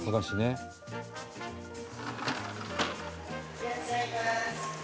いらっしゃいませ。